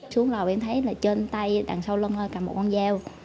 xuống lầu em thấy là trên tay đằng sau lưng cầm một con dao